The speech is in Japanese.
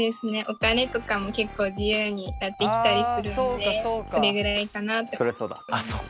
お金とかも結構自由になってきたりするんでそれぐらいかなって思います。